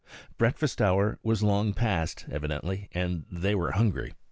Breakfast hour was long past, evidently, and they were hungry.